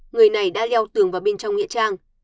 người này đã leo tường vào bên trong nghĩa trang